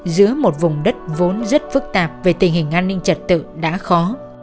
giữa một vùng đất vốn rất phức tạp về tình hình an ninh trật tự đã khó